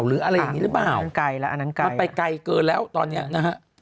หรืออะไรอย่างนี้หรือเปล่ามันไปไกลเกินแล้วตอนเนี้ยนะฮะ